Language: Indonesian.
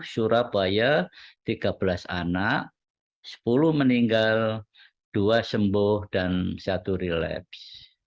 surabaya tiga belas anak sepuluh meninggal dua sembuh dan satu relax